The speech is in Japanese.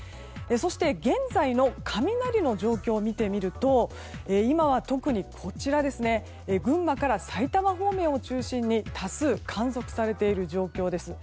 現在の雷の状況を見てみると今は特に群馬から埼玉方面を中心に多数、観測されている状況です。